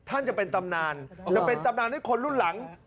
ท่านจะเป็นตำนานจะเป็นตำนานให้คนรุ่นหลัง